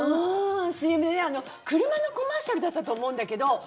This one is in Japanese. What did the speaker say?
ＣＭで車のコマーシャルだったと思うんだけど。